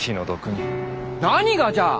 何がじゃ！